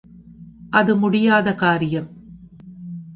அது முடியாத காரியம்.